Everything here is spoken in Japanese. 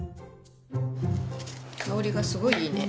香りがすごいいいね。